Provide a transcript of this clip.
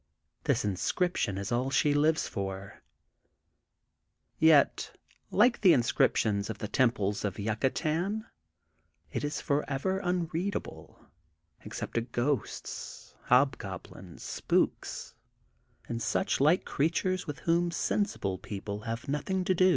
This inscription is all she lives for. Yet, like the inscriptions of the temples of Yucatan, it is forever unreadable except to ghosts, hobgoblins, spooks, and such like creatures, with whom sensible people have nothing to do.